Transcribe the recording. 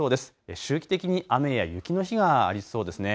周期的に雨や雪の日がありそうですね。